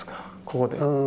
ここで。